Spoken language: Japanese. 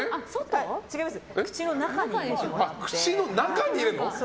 口の中に入れるの？